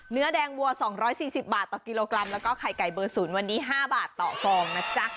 เนื้อแดงวัว๒๔๐บาทต่อกิโลกรัมแล้วก็ไข่ไก่เบอร์๐วันนี้๕บาทต่อฟองนะจ๊ะ